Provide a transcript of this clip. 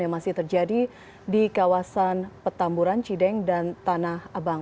yang masih terjadi di kawasan petamburan cideng dan tanah abang